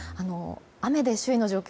雨で周囲の状況